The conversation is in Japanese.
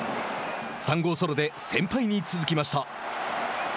３号ソロで先輩に続きました。